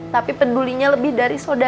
tapi pedulinya lebih dari sodara